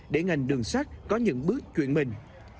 để ngành đường sắt có những bước chuyển mình